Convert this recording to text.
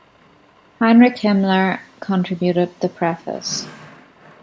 Heinrich Himmler contributed the preface.